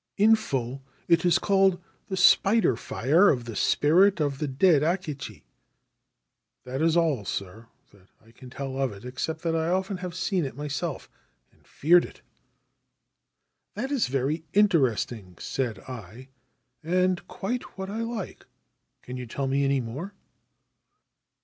c In full it is called " The Spider Fire of the Spirit of the Dead Akechi." That is all, sir, that I can tell of it — except that often have I seen it myself, and feared it.' ' That is very interesting/ said I, ' and quite what I like. Can you tell me any more